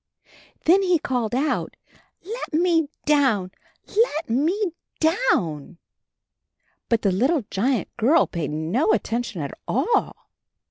Then he called out, "Let me down, let me down!" But the httle giant girl paid no attention at all.